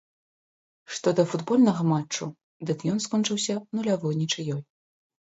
Што да футбольнага матчу, дык ён скончыўся нулявой нічыёй.